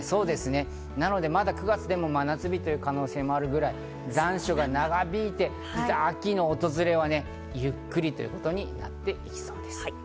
９月でも真夏日の可能性があるくらい残暑が長引いて、秋の訪れはゆっくりということになっていきそうです。